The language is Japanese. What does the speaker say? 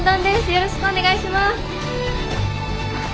よろしくお願いします。